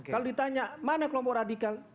kalau ditanya mana kelompok radikal